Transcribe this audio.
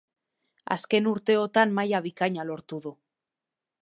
Azken urteotan maila bikaina lortu du.